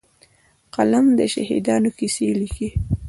قلم د شهیدانو کیسې لیکي